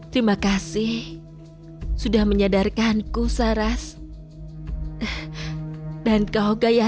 lepasin semua tawanan sekarang juga